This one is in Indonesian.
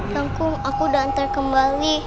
rangkung aku udah anter kembali